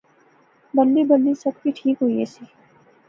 بلی بلی سب کی ٹھیک ہوئی ایسی